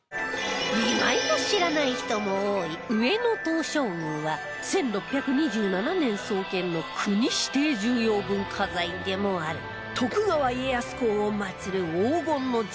意外と知らない人も多い上野東照宮は１６２７年創建の国指定重要文化財でもある徳川家康公を祀る黄金の神社